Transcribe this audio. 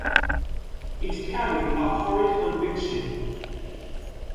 It carried a horrid conviction.